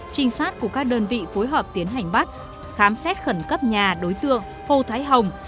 trinh sát của các đơn vị phối hợp tiến hành bắt khám xét khẩn cấp nhà đối tượng hồ thái hồng